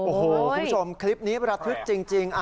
โอ้โหคุณผู้ชมคลิปนี้ระทึกจริง